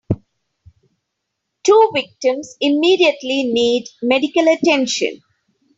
Two victims immediately need medical attention.